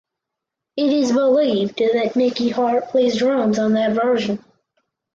It is believed that Mickey Hart plays drums on that version.